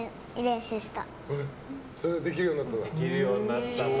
それでできるようになったんだ。